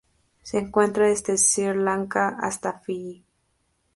Se encuentra desde Sri Lanka hasta Fiyi.